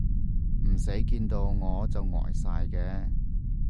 唔使見到我就呆晒嘅